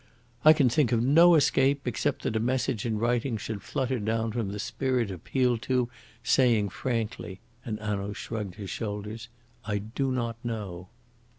"I can think of no escape except that a message in writing should flutter down from the spirit appealed to saying frankly," and Hanaud shrugged his shoulders, "'I do not know.'"